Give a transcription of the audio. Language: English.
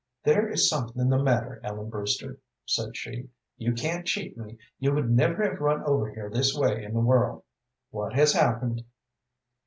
"There is something the matter, Ellen Brewster," said she; "you can't cheat me. You would never have run over here this way in the world. What has happened?"